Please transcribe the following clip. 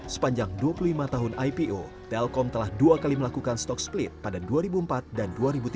sepanjang dua puluh lima tahun ipo telkom telah dua kali melakukan stock split pada dua ribu empat dan dua ribu tiga belas